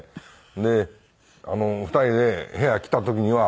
で２人で部屋来た時には。